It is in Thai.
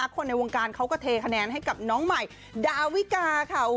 คนในวงการเขาก็เทคะแนนให้กับน้องใหม่ดาวิกาค่ะ